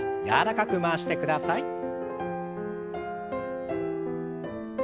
柔らかく回してください。